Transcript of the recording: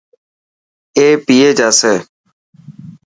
اي پئي جاسي.